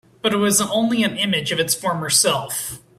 But it was only an image of its former self.